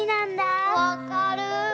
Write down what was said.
わかる。